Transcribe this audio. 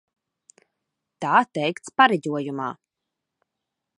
Tā teikts pareģojumā.